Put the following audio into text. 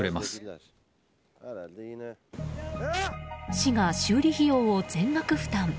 市が修理費用を全額負担。